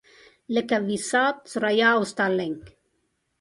لکه وي-ساټ، ثریا او سټارلېنک.